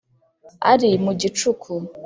ari mu gicuku